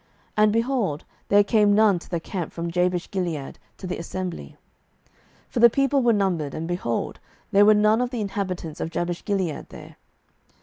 And, behold, there came none to the camp from Jabeshgilead to the assembly. 07:021:009 For the people were numbered, and, behold, there were none of the inhabitants of Jabeshgilead there.